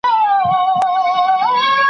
د الوتکې کارکوونکو له موږ نه مننه وکړه.